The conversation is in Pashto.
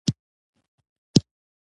آیا د جلغوزیو ځنګلونه ساتل کیږي؟